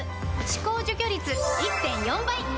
歯垢除去率 １．４ 倍！